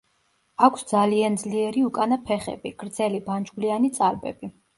აქვს ძალიან ძლიერი უკანა ფეხები, გრძელი ბანჯგვლიანი წარბები.